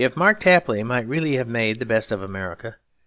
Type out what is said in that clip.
Mark Tapley might really have made the best of America.